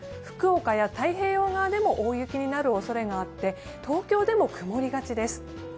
福岡や太平洋側でも大雪になるおそれがあって東京でも曇りがちです。